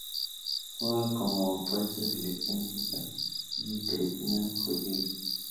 Juega como opuesto en la selección checa y en el Trentino Volley.